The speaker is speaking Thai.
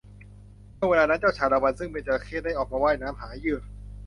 ช่วงเวลานั้นเจ้าชาละวัน ซึ่งเป็นจระเข้ได้ออกมาว่ายน้ำหาเหยื่อ